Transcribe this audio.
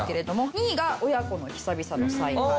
２位が親子の久々の再会。